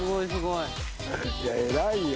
いや偉いよ。）